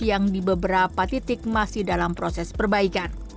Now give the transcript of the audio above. yang di beberapa titik masih dalam proses perbaikan